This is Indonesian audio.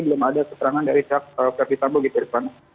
belum ada keterangan dari ferdi sambo gitu di mana